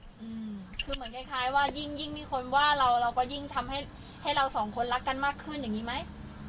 เหมือนกับอย่างค้ายว่ายิ่งมีคนว่าแล้วเราก็ยิ่งทำไห้เราสองคนรักกันมากขึ้นอย่างนี้มั้ย